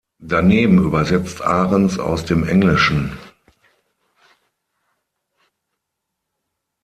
Daneben übersetzt Ahrens aus dem Englischen.